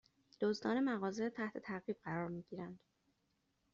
دزدان مغازه تحت تعقیب قرار می گیرند